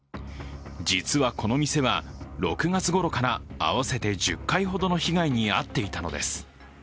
実はこの店は６月ごろから合わせて１０回ほどの被害に遭っていたのです。